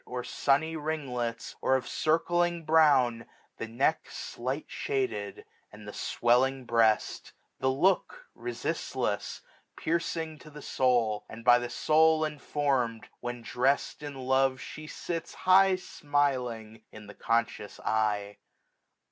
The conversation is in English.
Or sunny ringlets, or of circling brown. The neck slight shaded, and the swelling breast j 1590 The look resistless, piercing to the soul. And by the soul informed, when drest in love She sits high smiling in the conscious eye.